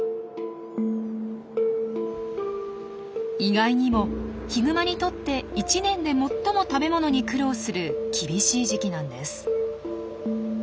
意外にもヒグマにとって一年で最も食べ物に苦労する厳しい時期なんです。